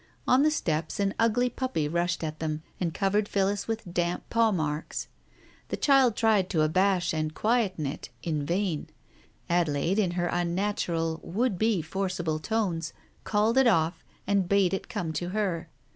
On the steps an ugly puppy rushed at them, and covered Phillis with damp paw marks. The child tried to abash and quieten it, in vain. Ade laide in her unnatural, would be forcible tones, called it off, and bade it come to her.